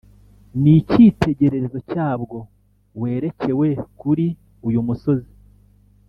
N icyitegererezo cyabwo werekewe kuri uyu musozi